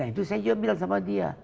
karena itu saya juga bilang sama dia